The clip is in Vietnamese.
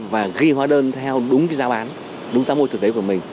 và ghi hóa đơn theo đúng cái giá bán đúng giá môi thực tế của mình